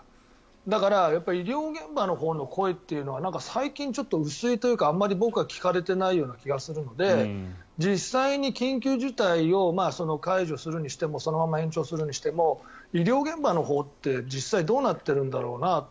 だから、医療現場のほうの声はなんか最近薄いというかあまり僕は聞かれていない気がするので実際に緊急事態を解除するにしてもそのまま延長するにしても医療現場のほうって実際どうなってるんだろうなと。